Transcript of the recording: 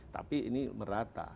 tapi ini merata